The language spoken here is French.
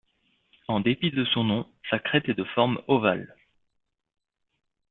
En dépit de son nom, sa crête est de forme ovale.